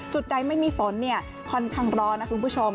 จุดใดไม่มีฝนค่อนข้างร้อนนะคุณผู้ชม